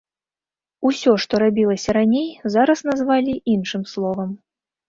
Усё, што рабілася раней, зараз назвалі іншым словам.